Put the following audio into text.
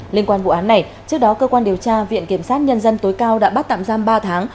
liên quan vụ án này trước đó cơ quan điều tra viện kiểm sát nhân dân tối cao đã bắt tạm giam ba tháng